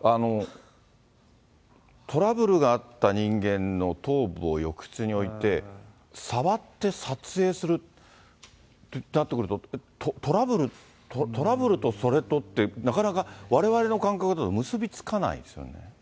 トラブルがあった人間の頭部を浴室に置いて、触って撮影するとなってくると、トラブル、トラブルとそれとって、なかなかわれわれの感覚では結び付かないですよね。